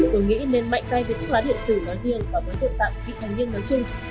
tôi nghĩ nên mạnh tay với thuốc lá điện tử nói riêng và với tội phạm vị thành niên nói chung